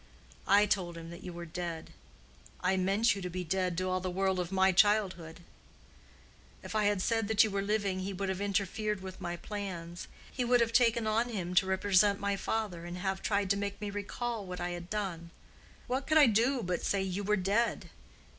I told him that you were dead: I meant you to be dead to all the world of my childhood. If I had said that you were living, he would have interfered with my plans: he would have taken on him to represent my father, and have tried to make me recall what I had done. What could I do but say you were dead?